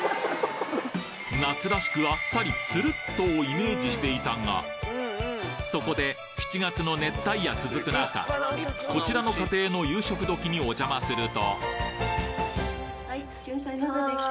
夏らしくアッサリつるっとをイメージしていたがそこで７月の熱帯夜続く中こちらの家庭の夕食どきにお邪魔するとはい。